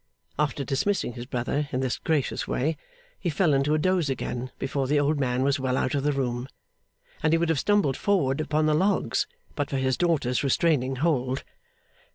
After dismissing his brother in this gracious way, he fell into a doze again before the old man was well out of the room: and he would have stumbled forward upon the logs, but for his daughter's restraining hold.